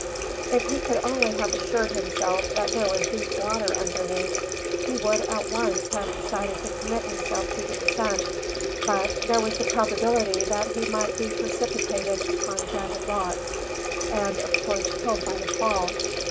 If he could only have assured himself that there was deep water underneath, he would at once have decided to commit himself to the descent. But there was the probability that he might be precipitated upon jagged rocks, and of course killed by the fall.